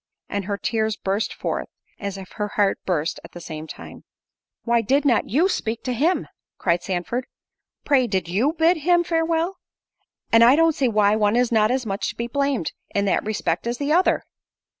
And her tears burst forth, as if her heart burst at the same time. "Why did not you speak to him?" cried Sandford—"Pray did you bid him farewell? and I don't see why one is not as much to be blamed, in that respect, as the other."